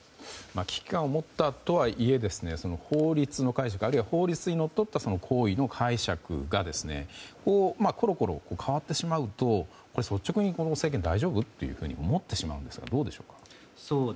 危機感を持ったとはいえ法律の解釈あるいは法律にのっとった行為の解釈がころころ変わってしまうと率直に、この政権思ってしまうんですがどうでしょう？